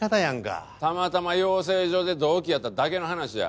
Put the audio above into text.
たまたま養成所で同期やっただけの話や。